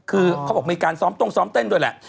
คือเขาบอกมีการซ้อมตรงซ้อมเต้นด้วยแหละ